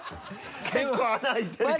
結構穴開いてるけど